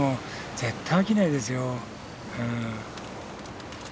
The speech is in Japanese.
絶対飽きないですようん。